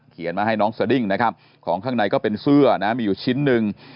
มาให้น้องสดิ้งนะครับของข้างในก็เป็นเสื้อนะมีอยู่ชิ้นหนึ่ง